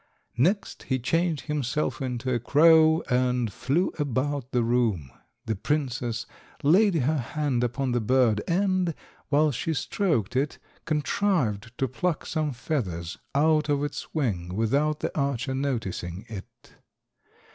Next he changed himself into a crow, and flew about the room. The princess laid her hand upon the bird, and, while she stroked it, contrived to pluck some feathers out of its wing without the archer noticing it.